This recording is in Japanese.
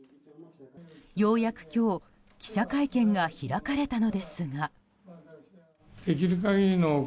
ようやく今日、記者会見が開かれたのですが。